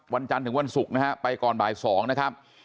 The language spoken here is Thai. วันจันทร์ถึงวันศุกร์นะฮะไปก่อนบ่าย๒นะครับ